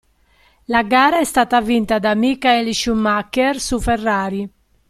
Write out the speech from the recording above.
La gara è stata vinta da Michael Schumacher su Ferrari.